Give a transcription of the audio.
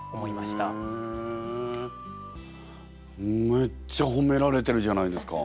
むっちゃほめられてるじゃないですか。